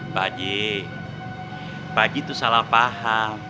pak ji pak ji tuh salah paham